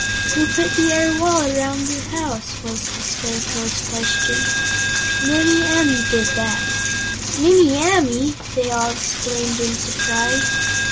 "Who put the air wall around the house?" was the Scarecrow's question. "Nimmie Amee did that." "Nimmie Amee!" they all exclaimed in surprise.